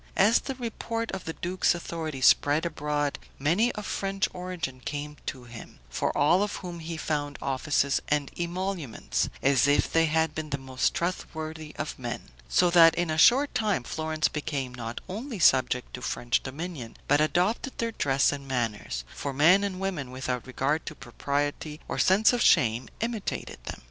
As the report of the duke's authority spread abroad, many of French origin came to him, for all of whom he found offices and emoluments, as if they had been the most trustworthy of men; so that in a short time Florence became not only subject to French dominion, but adopted their dress and manners; for men and women, without regard to propriety or sense of shame, imitated them.